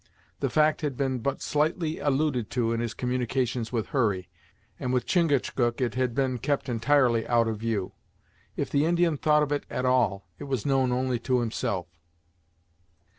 The fact had been but slightly alluded to in his communications with Hurry, and with Chingachgook it had been kept entirely out of view. If the Indian thought of it at all, it was known only to himself.